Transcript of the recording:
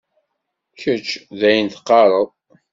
Kečč d ayen teqqared.